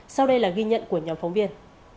sau đây là ghi nhận của nhóm phóng viên